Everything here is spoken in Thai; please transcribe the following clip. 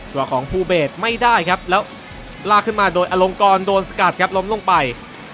กว่าของภูเบสไม่ได้ครับแล้วลากขึ้นมาโดยอลงกรโดนสกัดครับล้มลงไป